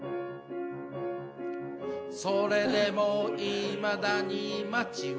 「それでもいまだに街は」